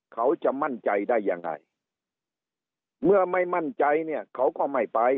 เขาจะมั่นใจได้ยังไงเมื่อไม่มั่นใจเนี่ยเขาก็ไม่ไป